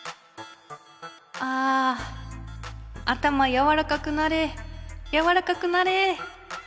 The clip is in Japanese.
あ頭やわらかくなれやわらかくなれ。